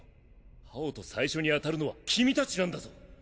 ハオと最初に当たるのは君たちなんだぞ。